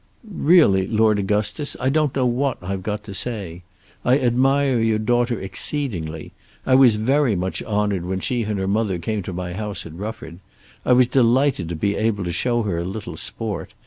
"Really, Lord Augustus, I don't know what I've got to say. I admire your daughter exceedingly. I was very much honoured when she and her mother came to my house at Rufford. I was delighted to be able to show her a little sport.